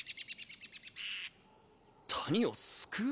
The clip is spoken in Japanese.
谷を救う？